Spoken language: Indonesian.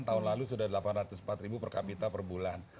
tahun lalu sudah delapan ratus empat ribu per kapita per bulan